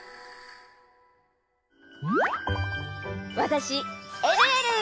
わたしえるえる！